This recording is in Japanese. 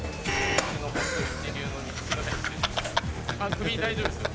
首大丈夫ですよ